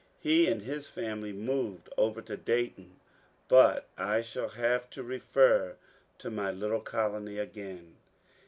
He and his family moved over to Dayton. But I shall have to refer to my little colony again.